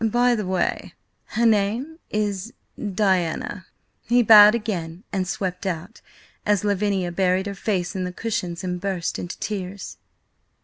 "By the way–her name is–Diana." He bowed again and swept out, as Lavinia buried her face in the cushions and burst into tears.